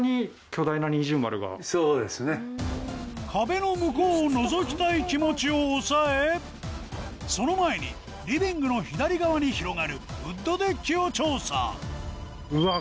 壁の向こうを覗きたい気持ちを抑えその前にリビングの左側に広がるウッドデッキを調査うわ